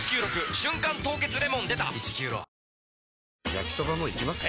焼きソバもいきます？